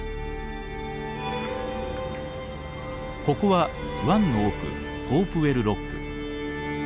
ここは湾の奥ホープウェルロック。